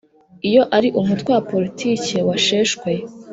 Iyo ari umutwe wa politiki washeshwe